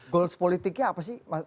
goals politiknya apa sih